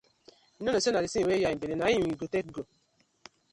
Yu no kno say na di tin wey yah belle na im yu go take go.